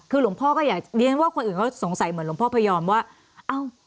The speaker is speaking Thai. คือหลวงพ่อก็อยากเรียนว่าคนอื่นเขาสงสัยเหมือนหลวงพ่อพยอมว่าเอ้า